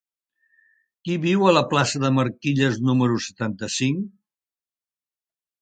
Qui viu a la plaça de Marquilles número setanta-cinc?